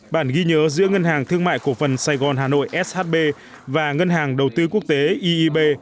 bản ghi nhớ giữa ngân hàng thương mại cổ phần sài gòn hà nội shb và ngân hàng đầu tư quốc tế ieb